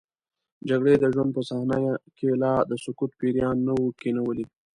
جګړې د ژوند په صحنه کې لا د سکوت پیریان نه وو کینولي.